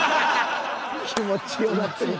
気持ちよがってる。